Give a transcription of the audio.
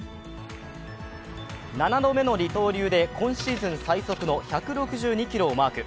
７度目の二刀流で今シーズン最速の１６２キロをマーク。